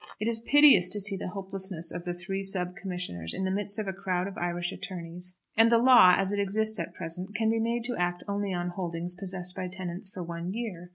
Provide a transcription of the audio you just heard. It is piteous to see the hopelessness of three sub commissioners in the midst of a crowd of Irish attorneys. And the law, as it exists at present, can be made to act only on holdings possessed by tenants for one year.